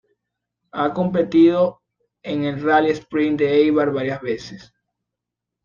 Ha competido en el Rally Sprint de Eibar varias veces.